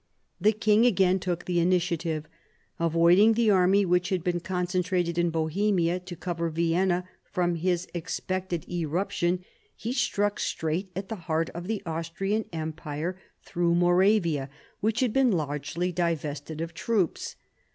The king again took the initiative. Avoid ing the army which had been concentrated in Bohemia to cover Vienna from his expected irruption, he struck straight at the heart of the Austrian Empire, through Moravia which had been largely divested of troops.